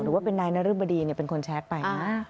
หรือว่าเป็นนายนริบดีเนี่ยเป็นคนแชทไป